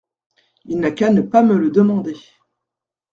Il n’a qu’à ne pas me le demander.